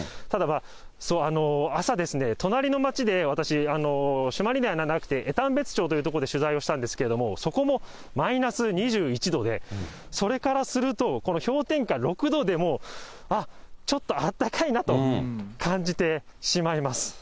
ただ、朝ですね、隣の町で私、朱鞠内じゃなくて、江丹別町という所で取材をしたんですけれども、そこもマイナス２１度で、それからすると、この氷点下６度でも、あっ、ちょっとあったかいなと感じてしまいます。